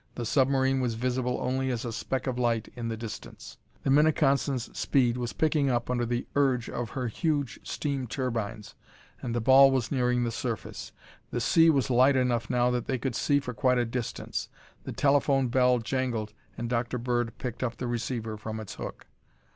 The submarine was visible only as a speck of light in the distance. The Minneconsin's speed was picking up under the urge of her huge steam turbines, and the ball was nearing the surface. The sea was light enough now that they could see for quite a distance. The telephone bell jangled and Dr. Bird picked the receiver from its hook.